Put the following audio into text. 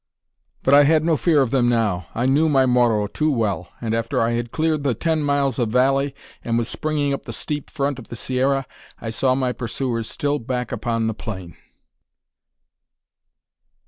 But I had no fear of them now. I knew my Moro too well; and after I had cleared the ten miles of valley, and was springing up the steep front of the sierra, I saw my pursuers still back upon the plain.